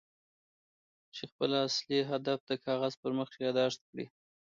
چې خپل اصلي هدف د کاغذ پر مخ ياداښت کړئ.